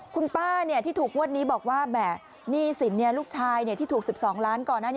คุณป้าที่ถูกกว่านี้บอกว่ามัดหนี้ศิลป์เนี่ยลูกชายที่ถูก๑๒ล้านก่อน